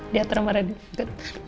dia terima ready